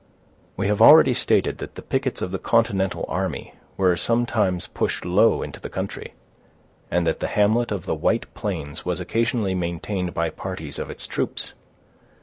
We have already stated that the pickets of the continental army were sometimes pushed low into the country, and that the hamlet of the White Plains was occasionally maintained by parties of its troops.